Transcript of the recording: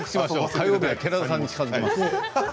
火曜日は寺田さんに近づけます。